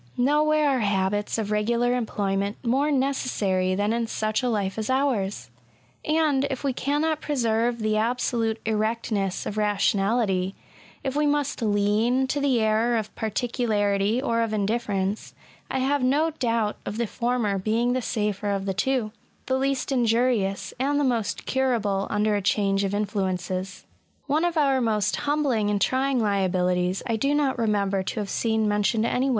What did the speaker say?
Nowhere are habits of regular employment more necessary than in such a life as ours; and, if we cannot preserve the absolute erectness of rationality, — if we must lean to the ierror of particularity or of indifference — I have no doubt of the former being the safer of the two ;— ^the least injurious, and the most curable under a change of influences. One of our most humbling and trying liabilities j I do not remember to have seen mentioned any